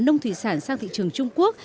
nông thủy sản sang thị trường trung quốc